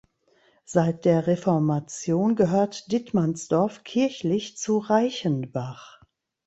Seit der Reformation gehört Dittmannsdorf kirchlich zu Reichenbach.